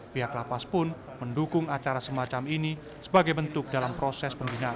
pihak lapas pun mendukung acara semacam ini sebagai bentuk dalam proses pembinaan